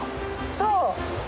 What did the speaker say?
そう。